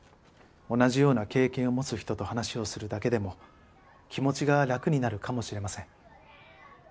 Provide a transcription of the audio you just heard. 同じような経験を持つ人と話をするだけでも気持ちが楽になるかもしれません。